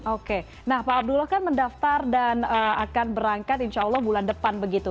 oke nah pak abdullah kan mendaftar dan akan berangkat insya allah bulan depan begitu